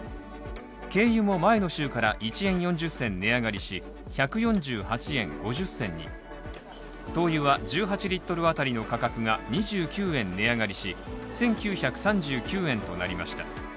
軽油も前の週から１円４０銭値上がりし、１４８円５０銭に灯油は１８Ｌ当たりの価格が２９円値上がりし、１９３９円となりました。